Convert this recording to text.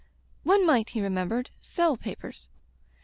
One might, he remembered, sell papers.